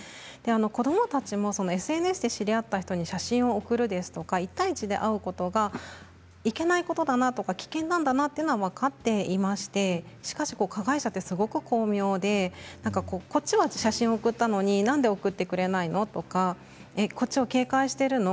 子どもたちはＳＮＳで知り合った人に写真を送るですとか１対１で会うことがいけないことなんだとか危険だなということは分かっていましてしかし、加害者はとても巧妙でこっちは写真を送ったのになんで送ってくれないの？とかこっちを警戒しているの？